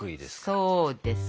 そうです。